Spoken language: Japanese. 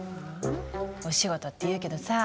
お仕事って言うけどさ